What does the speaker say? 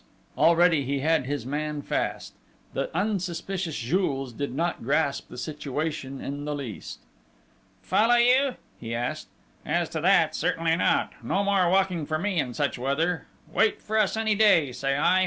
Already he had his man fast. The unsuspicious Jules did not grasp the situation in the least. "Follow you?" he asked. "As to that, certainly not!... No more walking for me in such weather. Wait for a sunny day, say I!...